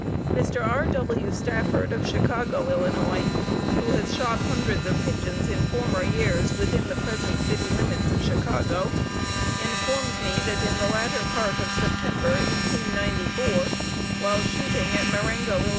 Mr. R. W. Stafford of Chicago, Ill., who has shot hundreds of pigeons in former years within the present city limits of Chicago, informs me that in the latter part of September, 1894, while shooting at Marengo, Ill.